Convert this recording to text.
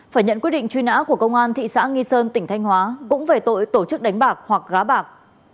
phải nhận quyết định truy nã của công an thị xã nghi sơn tỉnh thanh hóa cũng về tội tổ chức đánh bạc hoặc gá bạc